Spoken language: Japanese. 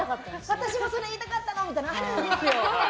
私もそれ言いたかったの！ってのがあるんですよ。